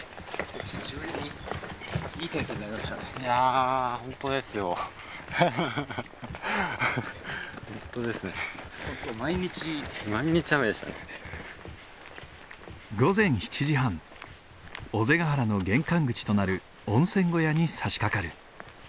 尾瀬ヶ原の玄関口となる温泉小屋にさしかかる。